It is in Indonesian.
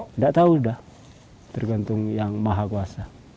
nggak tahu dah tergantung yang maha kuasa